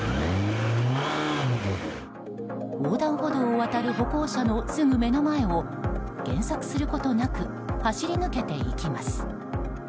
横断歩道を渡る歩行者のすぐ目の前を減速することなく走り抜けていきます。